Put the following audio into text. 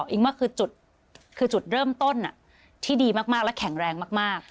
อิงว่าคือจุดเริ่มต้นที่ดีมากและแข็งแรงมาก